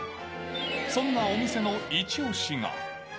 そんなお店の一押しが。